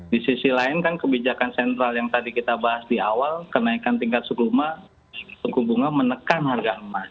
di sisi lain kan kebijakan sentral yang tadi kita bahas di awal kenaikan tingkat suku bunga suku bunga menekan harga emas